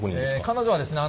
彼女はですね